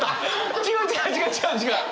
違う違う違う違う違う！